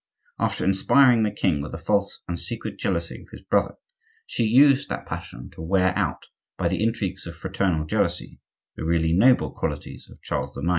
After inspiring the king with a false and secret jealousy of his brother, she used that passion to wear out by the intrigues of fraternal jealousy the really noble qualities of Charles IX.